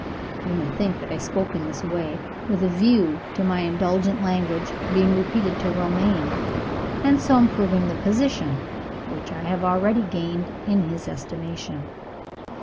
You may think that I spoke in this way with a view to my indulgent language being repeated to Romayne, and so improving the position which I have already gained in his estimation.